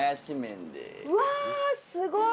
うわすごい！